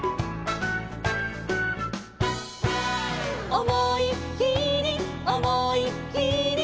「おもいっきりおもいっきり」